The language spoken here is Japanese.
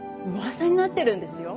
噂になってるんですよ